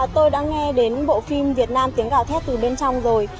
tôi đã nghe đến bộ phim việt nam tiếng gào thét từ bên trong rồi